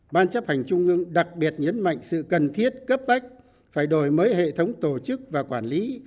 ban chấp hành trung ương đặc biệt nhấn mạnh sự cần thiết cấp bách phải đổi mới hệ thống tổ chức và quản lý